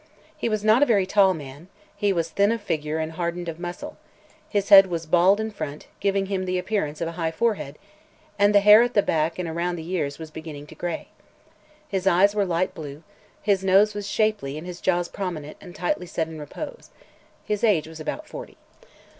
He was not a very tall man; he was thin of figure and hardened of muscle; his head was bald in front, giving him the appearance of a high forehead, and the hair at the back and around the ears was beginning to gray. His eyes were light blue; his nose was shapely and his jaws prominent and tightly set in repose. His age was about forty.